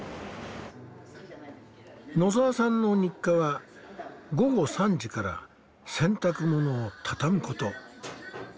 野澤さんの日課は午後３時から洗濯物を畳むこと。